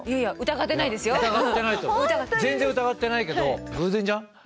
疑ってない全然疑ってないけど偶然じゃん。